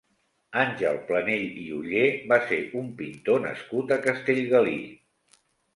Àngel Planell i Oller va ser un pintor nascut a Castellgalí.